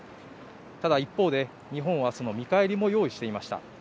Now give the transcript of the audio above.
ただ一方で、日本はその見返りも用意していました。